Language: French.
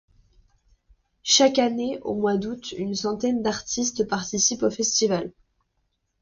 Chaque année, au mois d'août, une centaine d'artistes participe au festival.